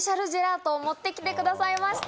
持ってきてくださいました